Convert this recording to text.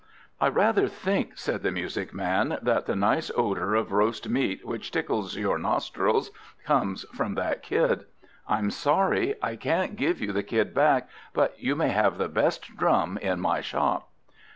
"I rather think," said the Music man, "that the nice odour of roast meat which tickles your nostrils, comes from that Kid. I'm sorry I can't give you the Kid back, but you may have the best drum in my shop."